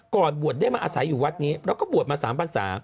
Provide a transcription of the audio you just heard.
ก่อนบวชได้มาอาศัยอยู่วัดนี้แล้วก็บวชมา๓พันศา